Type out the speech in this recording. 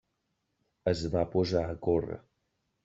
Es va posar a córrer.